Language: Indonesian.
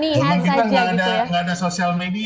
di zaman kita nggak ada sosial media mbak